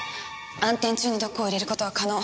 暗転中に毒を入れることは可能。